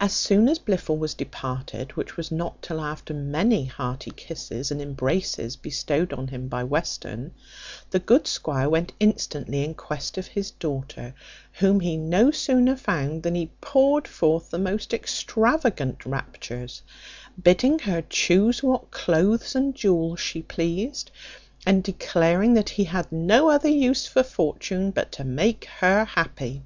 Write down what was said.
As soon as Blifil was departed, which was not till after many hearty kisses and embraces bestowed on him by Western, the good squire went instantly in quest of his daughter, whom he no sooner found than he poured forth the most extravagant raptures, bidding her chuse what clothes and jewels she pleased; and declaring that he had no other use for fortune but to make her happy.